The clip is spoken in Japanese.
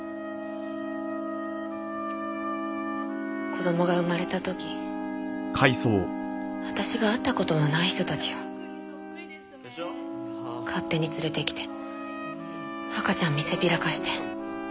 子供が産まれた時私が会った事もない人たちを勝手に連れてきて赤ちゃん見せびらかして。